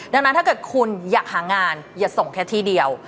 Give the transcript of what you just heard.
ดังนั้นถ้าเกิดคุณอยากหางานอย่าส่งแค่ที่เดียว